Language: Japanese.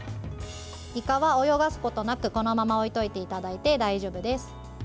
いかは泳がすことなくこのまま置いておいていただいて大丈夫です。